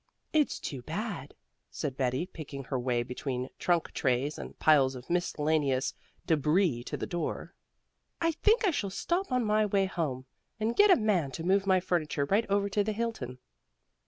"It's too bad," said Betty, picking her way between trunk trays and piles of miscellaneous débris to the door. "I think I shall stop on my way home and get a man to move my furniture right over to the Hilton."